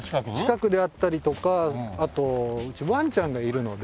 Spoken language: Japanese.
近くであったりとかあとうちワンちゃんがいるので。